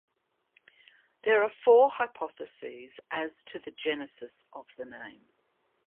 There are four hypotheses as to the genesis of the name.